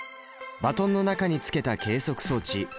バトンの中につけた計測装置。